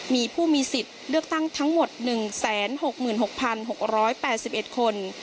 มีผู้มีสิทธิ์เลือกตั้งทั้งหมด๑๖๖๖๘๑คน